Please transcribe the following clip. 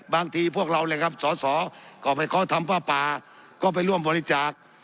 บางทีพวกเราเลยครับสก็ไปเขาทำป้าก็ไปร่วมบริจาค